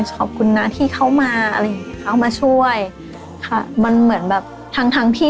ขอบคุณนะที่เขามาอะไรอย่างเงี้เข้ามาช่วยค่ะมันเหมือนแบบทั้งทั้งที่